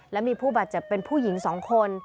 และมีผู้บาดเจ็บเป็นผู้หญิง๒คน